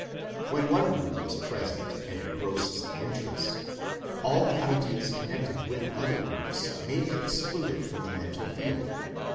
When one group is present and engrosses the interest, all the ideas connected with other groups may be excluded from the mental field.